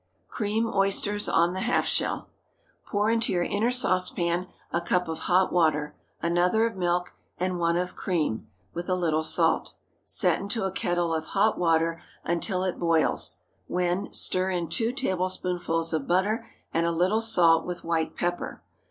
CREAM OYSTERS ON THE HALF SHELL. Pour into your inner saucepan a cup of hot water, another of milk, and one of cream, with a little salt. Set into a kettle of hot water until it boils, when stir in two tablespoonfuls of butter and a little salt, with white pepper.